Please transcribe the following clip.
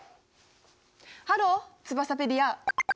ハローツバサペディア！